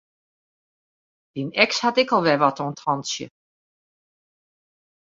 Dyn eks hat ek al wer wat oan 't hantsje.